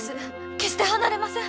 決して離れません！